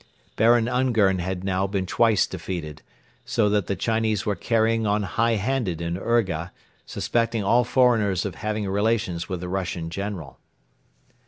Baron Ungern had now been twice defeated, so that the Chinese were carrying on high handed in Urga, suspecting all foreigners of having relations with the Russian General.